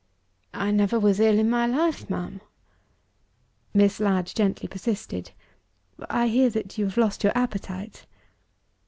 "I never was ill in my life, ma'am." Miss Ladd gently persisted. "I hear that you have lost your appetite."